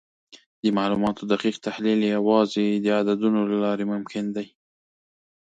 د معلوماتو دقیق تحلیل یوازې د عددونو له لارې ممکن دی.